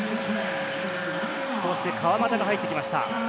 そして川真田が入ってきました。